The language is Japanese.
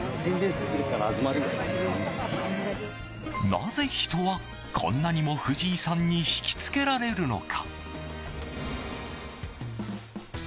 なぜ人は、こんなにも藤井さんに引き付けられるのか？